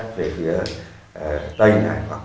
và đã quyên góp